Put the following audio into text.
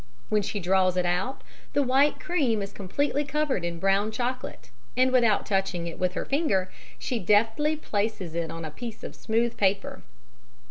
When she draws it out, the white creme is completely covered in brown chocolate and, without touching it with her finger, she deftly places it on a piece of smooth paper.